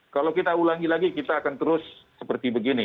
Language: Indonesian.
kalau kita ulangi lagi kita akan terus seperti begini